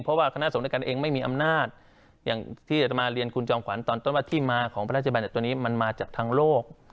เพราะว่าคณะสงฆ์ด้วยกันเองไม่มีอำนาจอย่างที่จะมาเรียนคุณจอมขวัญตอนต้นว่าที่มาของพระราชบัญญัติตัวนี้มันมาจากทางโลก